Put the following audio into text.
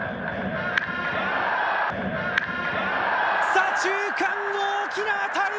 左中間の大きな当たり！